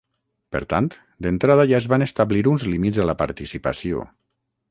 Per tant, d’entrada ja es van establir uns límits a la participació.